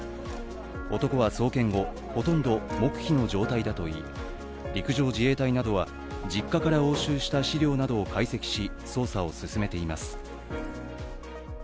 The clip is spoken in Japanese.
男は送検後、ほとんど黙秘の状態だといい陸上自衛隊などは実家から押収した資料などを解析し、捜査を進めています。